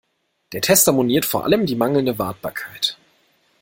Der Tester moniert vor allem die mangelnde Wartbarkeit.